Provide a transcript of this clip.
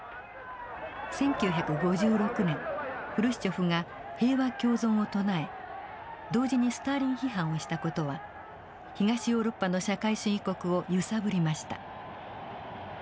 １９５６年フルシチョフが平和共存を唱え同時にスターリン批判をした事は東ヨーロッパの社会主義国を揺さぶりました。